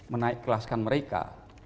menaik kelaskan mereka